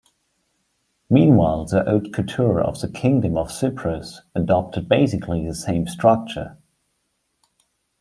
Meanwhile, the "Haute Cour" of the Kingdom of Cyprus adopted basically the same structure.